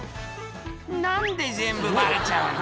「何で全部バレちゃうの？